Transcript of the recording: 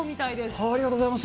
ありがとうございます。